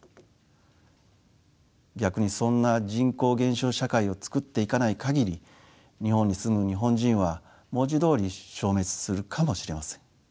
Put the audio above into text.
逆にそんな人口減少社会をつくっていかない限り日本に住む日本人は文字どおり消滅するかもしれません。